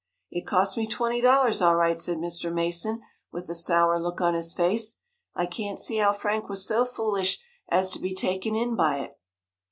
"It cost me twenty dollars, all right," said Mr. Mason, with a sour look on his face. "I can't see how Frank was so foolish as to be taken in by it."